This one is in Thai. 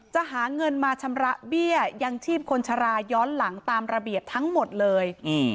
จะหาเงินมาชำระเบี้ยยังชีพคนชะลาย้อนหลังตามระเบียบทั้งหมดเลย